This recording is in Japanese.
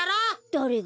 だれが？